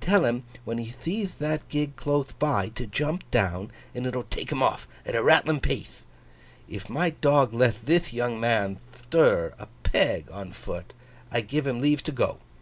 Tell him, when he theeth that gig clothe by, to jump down, and it'll take him off at a rattling pathe. If my dog leth thith young man thtir a peg on foot, I give him leave to go.